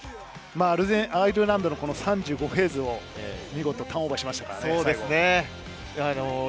アイルランドの３５フェーズを見事ターンオーバーしましたからね、最後は。